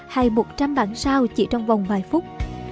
hay một trăm linh bản sao chỉ trong vòng vài phút